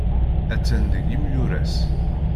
Attan deg yimuras.